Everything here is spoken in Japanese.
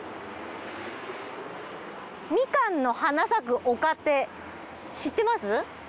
『みかんの花咲く丘』って知ってます？